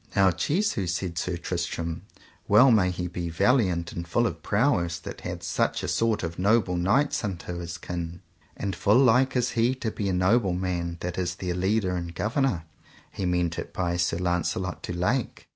Now Jesu, said Sir Tristram, well may he be valiant and full of prowess that hath such a sort of noble knights unto his kin, and full like is he to be a noble man that is their leader and governor. He meant it by Sir Launcelot du Lake.